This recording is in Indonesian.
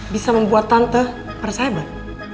bisa membuat tante persahabat